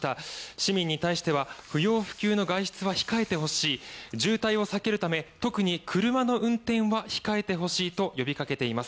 市民に対しては不要不急の外出は控えてほしい渋滞を避けるため特に車の運転は控えてほしいと呼びかけています。